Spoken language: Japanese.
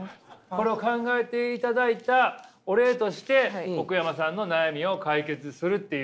これを考えていただいたお礼として奥山さんの悩みを解決するという約束でしたから。